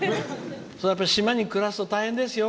島に暮らすと、大変ですよ。